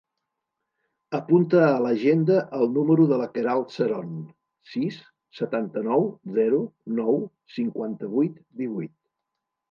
Apunta a l'agenda el número de la Queralt Seron: sis, setanta-nou, zero, nou, cinquanta-vuit, divuit.